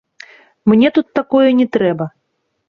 Мне тут такое не трэба.